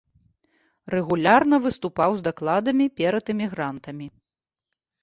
Рэгулярна выступаў з дакладамі перад эмігрантамі.